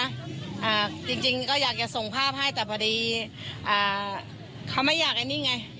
อ่าจริงจริงก็อยากจะส่งภาพให้แต่พอดีอ่าเขาไม่อยากไอ้นี่ไง